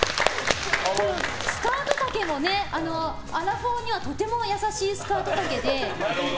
スカート丈もアラフォーには、とても優しいスカート丈で。